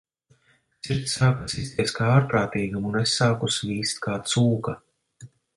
Sirds sāka sisties kā ārprātīgam, un es sāku svīst kā cūka.